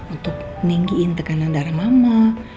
untuk ninggiin tekanan darah mama